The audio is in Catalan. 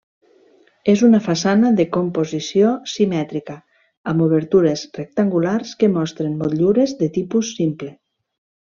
És una façana de composició simètrica, amb obertures rectangulars que mostren motllures de tipus simple.